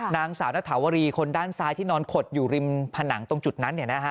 นางสาวนถาวรีคนด้านซ้ายที่นอนขดอยู่ริมผนังตรงจุดนั้น